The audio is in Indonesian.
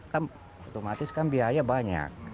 kan otomatis kan biaya banyak